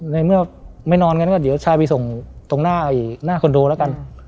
ในเมื่อไม่นอนกันก็เดี๋ยวชายไปส่งตรงหน้าคอนโดแล้วกัน